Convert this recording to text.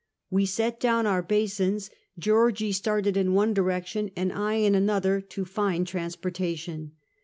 We set down our basins; Georgie started in one direction and I in another, to find transportation.